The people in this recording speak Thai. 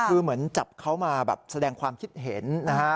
คือเหมือนจับเขามาแบบแสดงความคิดเห็นนะฮะ